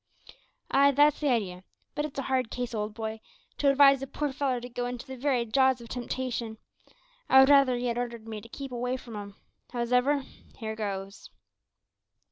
"Aye, that's the idee; but it's a hard case, old boy, to advise a poor feller to go into the very jaws o' temptation. I would rather 'ee had ordered me to keep away from 'em. Howsever, here goes!"